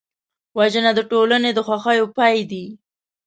وژنه د ټولنې د خوښیو پای دی